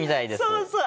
そうそう。